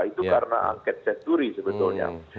itu karena angket securi sebetulnya